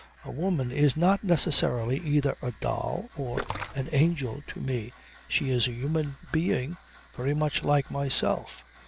A woman is not necessarily either a doll or an angel to me. She is a human being, very much like myself.